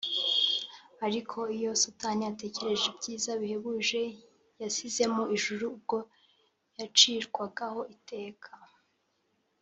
ariko Satani iyo atekereje ibyiza bihebuje yasize mu ijuru ubwo yacirwagaho iteka